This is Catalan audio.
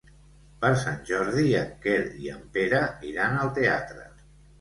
Per Sant Jordi en Quer i en Pere iran al teatre.